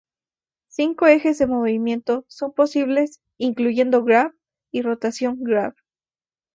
Cinco ejes de movimiento son posibles, incluyendo Grab y Rotación Grab.